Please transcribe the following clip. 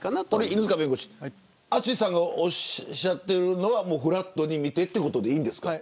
犬塚弁護士淳さんが言っているのはフラットに見てということでいいですか。